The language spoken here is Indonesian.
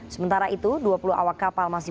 sementara itu dua puluh awak kapal masing masing